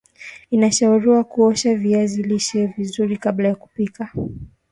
inashauriwa kuosha viazi lishe vizuri kabla ya kupika